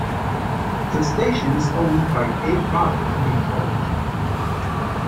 The station is owned by Cape Cod Community College.